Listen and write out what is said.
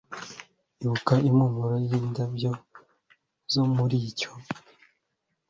ibuka impumuro yindabyo zo mu cyi